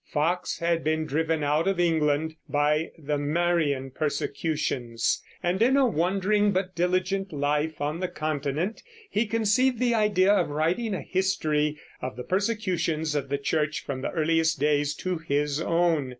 Foxe had been driven out of England by the Marian persecutions, and in a wandering but diligent life on the Continent he conceived the idea of writing a history of the persecutions of the church from the earliest days to his own.